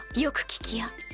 よく聞きや。